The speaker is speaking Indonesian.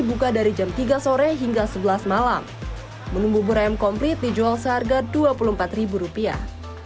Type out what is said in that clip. buka dari jam tiga sore hingga sebelas malam menu bubur ayam komplit dijual seharga dua puluh empat rupiah